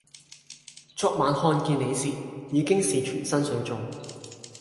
昨晚看見你時已經是全身水腫